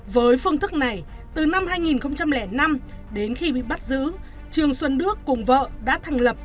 với phương thức này từ năm hai nghìn năm đến khi bị bắt giữ trương xuân đức cùng vợ đã thành lập